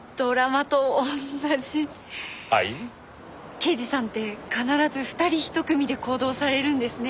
刑事さんって必ず二人一組で行動されるんですね。